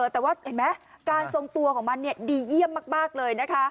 แต่ว่าเห็นไหมการทรงตัวของมันดีเยี่ยมมากเลยนะคะ